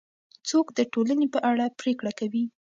څوک د ټولنې په اړه پرېکړه کوي؟